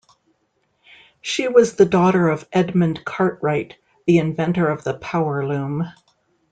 She was the daughter of Edmund Cartwright, the inventor of the power loom.